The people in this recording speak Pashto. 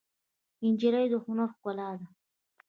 نجلۍ د هنر ښکلا ده.